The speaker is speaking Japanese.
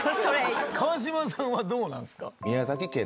川島さんはどうなんですか？